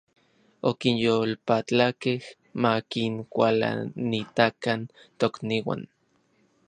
Okinyolpatlakej ma kinkualanitakan tokniuan.